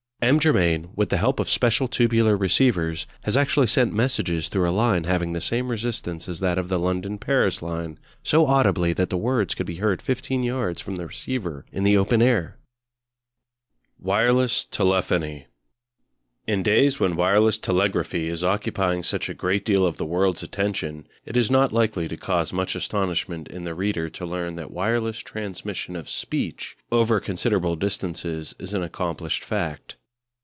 M. Germain, with the help of special tubular receivers, has actually sent messages through a line having the same resistance as that of the London Paris line, so audibly that the words could be heard fifteen yards from the receiver in the open air! The Telephone WIRELESS TELEPHONY. In days when wireless telegraphy is occupying such a great deal of the world's attention, it is not likely to cause much astonishment in the reader to learn that wireless transmission of speech over considerable distances is an accomplished fact.